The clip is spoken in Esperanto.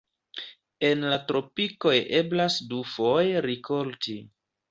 En la tropikoj eblas dufoje rikolti.